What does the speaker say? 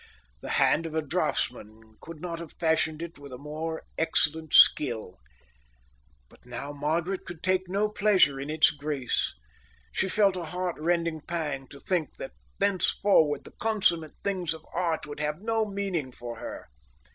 The hand of a draughtsman could not have fashioned it with a more excellent skill. But now Margaret could take no pleasure in its grace. She felt a heartrending pang to think that thenceforward the consummate things of art would have no meaning for her.